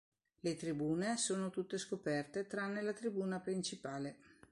Le tribune sono tutte scoperte, tranne la tribuna principale.